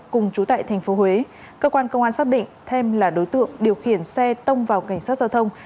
cùng chú tại tp huế cơ quan công an xác định thêm là đối tượng điều khiển xe tông vào cảnh sát giao thông